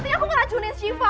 ketik aku ngeracunin siva